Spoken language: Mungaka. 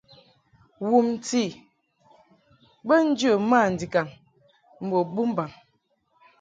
Wumti bə njə mandikaŋ mbo bumbaŋ.